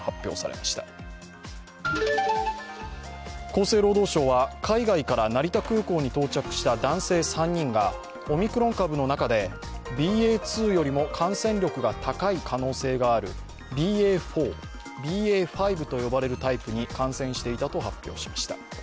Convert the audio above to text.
厚生労働省は海外から成田空港に到着した男性３人がオミクロン株の中でＢＡ．２より感染力が高い可能性があるＢＡ．４、ＢＡ．５と呼ばれるタイプに感染していたと発表しました。